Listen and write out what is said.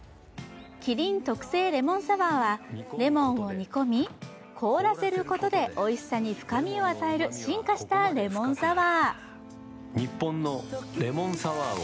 麒麟特製レモンサワーは、レモンを煮込み、凍らせることでおいしさに深みを与える進化したレモンサワー。